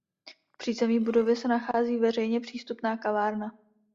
V přízemí budovy se nachází veřejně přístupná kavárna.